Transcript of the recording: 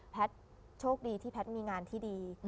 โชคดีที่แพทย์มีงานที่ดี